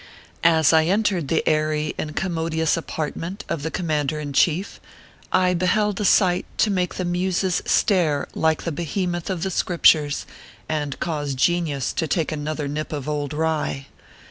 As I entered the aiiy and commodious apartment of the command er in chief, I beheld a sight to make the muses stare like the behemoth of the Scriptures, and cause genius to take another nip of old rye.